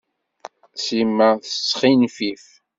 Sima tesxinfif.